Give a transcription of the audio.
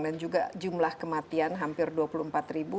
dan juga jumlah kematian hampir dua puluh empat ribu